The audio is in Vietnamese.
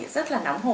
rất là nguy hiểm